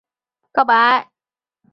室友大胖告白。